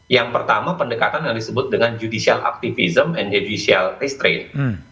yang pertama pendekatan yang disebut dengan judicial activism and judicial restrain